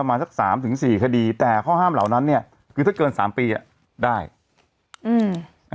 มาสักสามถึงสี่คดีแต่ข้อห้ามเหล่านั้นเนี้ยคือถ้าเกินสามปีอ่ะได้อืม